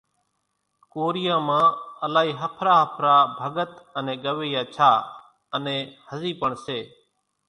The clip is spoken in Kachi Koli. ڪوريان مان الائِي ۿڦرا ۿڦرا ڀڳت انين ڳوَيا ڇا انين هزِي پڻ سي۔